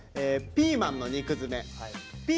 「ピーマンの肉詰め」。